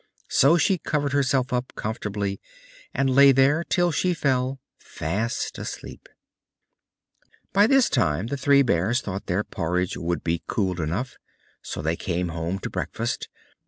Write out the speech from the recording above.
So she covered herself up comfortably, and lay there till she fell fast asleep. By this time the Three Bears thought their porridge would be cool enough; so they came home to breakfast.